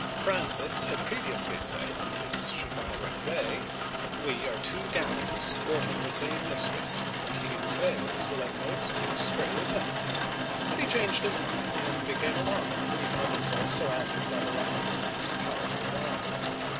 Francis had previously said in his chivalric way, "We are two gallants courting the same mistress, and he who fails will have no excuse for ill temper *'; but he changed his mind and became alarmed when he found himself surrounded by the lands of his powerful rival.